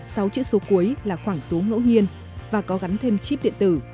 sáu chữ số cuối là khoảng số ngẫu nhiên và có gắn thêm chip điện tử